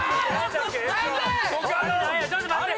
ちょっと待って。